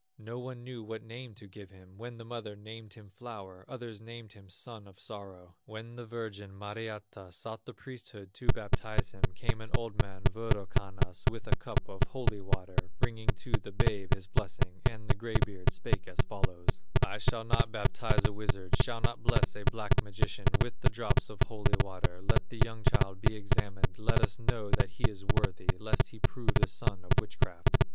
No one knew what name to give him; When the mother named him, Flower, Others named him, Son of Sorrow. When the virgin, Mariatta, Sought the priesthood to baptize him, Came an old man, Wirokannas, With a cup of holy water, Bringing to the babe his blessing; And the gray beard spake as follows: "I shall not baptize a wizard, Shall not bless a black magician With the drops of holy water; Let the young child be examined, Let us know that he is worthy, Lest he prove the son of witchcraft."